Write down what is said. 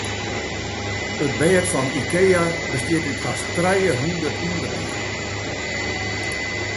It bêd fan Ikea bestiet út hast trijehûndert ûnderdielen.